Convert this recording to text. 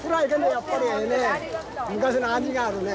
やっぱりええね昔の味があるね。